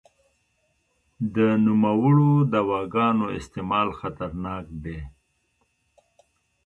د نوموړو دواګانو استعمال خطرناک دی.